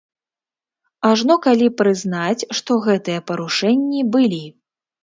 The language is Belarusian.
Ажно калі прызнаць, што гэтыя парушэнні былі.